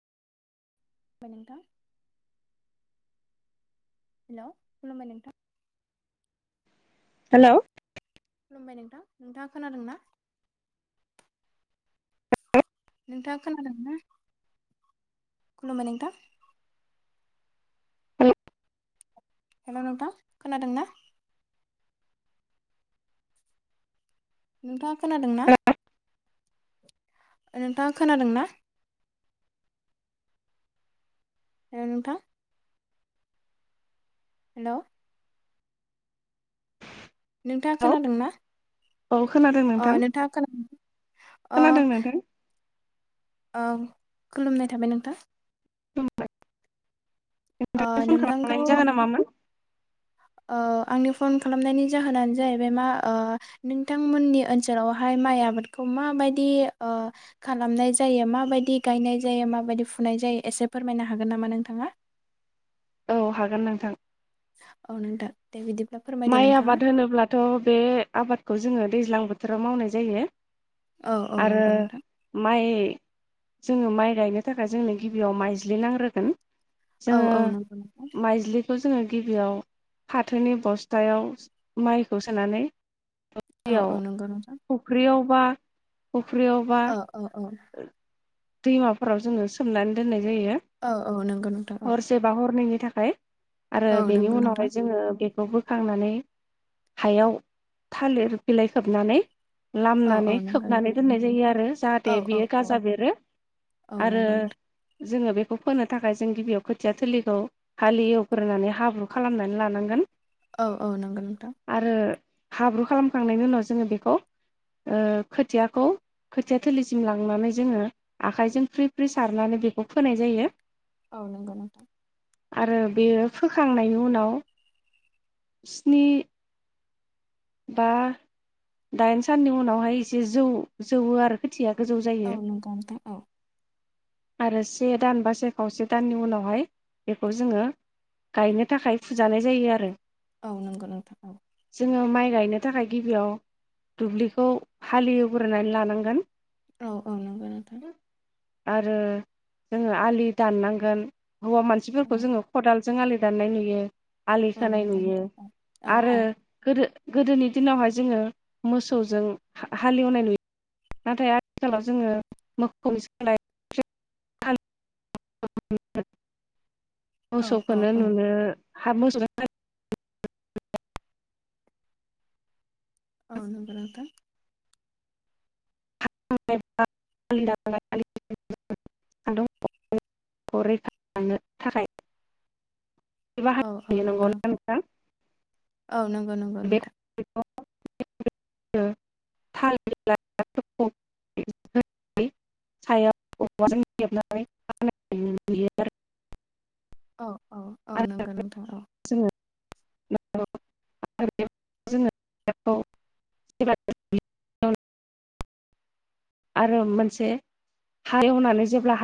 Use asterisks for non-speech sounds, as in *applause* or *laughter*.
बाय नोंथां। हेलौ खुलुमबाय नोंथां। हेलौ। खुलुमबाय नोंथां नोंथाङा खोनादों ना? नोंथाङा खोनादोंना? खुलुमबाय नोंथां। हेलौ हेल' नोंथां। खोनादोंना? *inaudible* नोंथांङा खोनादोंना? नोंथाङा खोनादोंना? *inaudible* ए नोंथां हेल'। नोंथाङा खोनादोंना? औ खोनादों अ नोंथां नोंथाङा खोनादोंना? अ खोनादों नोंथां ओं खुलुमनाय थाबाय नोंथां। खुलुमबाय। ओ नोंथांनि फन नोंथांखौ खालामनायनि जाहोना मामोन? ओ आंनि फन खालामनायनि जाहोनानो जाहैबाय मा ओ नोंथांमोननि ओनसोलावहाय माइ आबादखौ माबायदि ओ खालामनाय जायो? माबायदि गायनाय जायो? माबायदि फुनाय जायो एसे फोरमायनो हागोन नामा नोंथाङा? औ हागोन नोंथां। औ नोंथां। दे बिदिब्ला फोरमायदो माइ नोंथाङा आबाद होनोब्लाथ' बे आबादखौ जोङो दैज्लां बोथोराव मावनाय जायो। औ औ आरो नंगौ नोंथां माइ जोङो माइ गायनो थाखाय जोंनो गिबियाव माइज्लि नांग्रोगोन। औ जोङो औ नंगौ नोंथां माइज्लिखौ जोङो गिबियाव फाथोनि बस्थ थायाव माइखौ सोनानै औ औ नंगौ नोंथां *unintelligible* फुख्रियाव बा! फुख्रियावबा। औ औ औ *inaudible* दैमाफोराव जोङो सोमनानै दोननाय जायो औ औ नंगौ नोंथां हसे बा हरनैनि थाखाय। आरो औ बेनि नंगौ नोंथां उनावहाय जोंङो बे बेखौ बोखांनानै, हायाव थालिर बिलाय खोबनानै - औ औ लामनानै, नंगौ खोबनानै नोंथां दोननाय जायो आरो जाहाथे औ दे औ बेयो औ गाजा बेरो औ आरो नंगौ नोंथां जोङो बेखौ फोनो थाखाय जों गिबियाव खोथिया थलिखौ हाल एवग्रोनानै हाब्रु खालामनानै लानांगोन औ औ नंगौ नोंथां आरो हाब्रु खालामखांनायनि उनाव जोङो बेखौ ओ खोथियाखौ खोथिया थोलिसिम लांनानै जोङो आखायजों फ्रि फ्रि सारनानै बेखौ फोनाय जायो औ नंगौ नोंथां आरो बेयो फोखांनायनि उनाव स्नि बा दाइन साननि उनावहाय एसे जौ जौवो आरो खोथिया गोजौ औ जायो नंगौ नोंथां औ आरो से दान बा से खावसे दाननि उनावहाय बेखौ जोङो गायनो थाखाय फुजानाय जायो आरो औ नंगौ नोंथां औ जोङो माइ गायनो थाखाय गिबियाव दुब्लिखौ हााललिवग्रोनानै लानांगोन औ औ नंगौ नोंथां आरो जोङो आलि दाननांगोन हौवा औ मानसिफोरखौ जोङो खदाल जों आलि दान्नाय नुयो आलि औ सोनानाय नंगौ नुयो नोंथां औ औ आरो औ गोदो गोदोनि दिनावहाय जोङो मोसौजों हालेवनाय नुयो नाथाय आथिखालाव जोङो मोसौनि सालाय औ मोसौखौनो औ नुनो *unintelligible* औ *unintelligible* *unintelligible* नंगौ ना नोंथां औ नंगौ नंगौ बे नोंथां *unintelligible* औ औ औ आरो नंगोन नोंथां औ *unintelligible* *unintelligible*